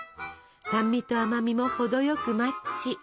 酸味と甘みも程よくマッチ。